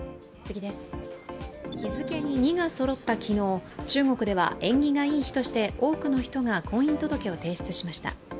日付に２がそろった昨日、中国では縁起がいい日として多くの人が婚姻届を提出しました。